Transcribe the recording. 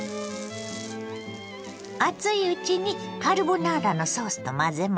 熱いうちにカルボナーラのソースと混ぜましょ。